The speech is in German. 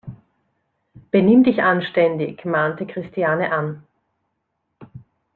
Benimm dich anständig!, mahnte Christiane an.